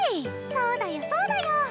そうだよそうだよ！